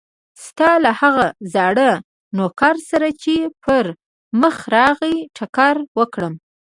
ستا له هغه زاړه نوکر سره چې پر مخه راغی ټکر وکړم.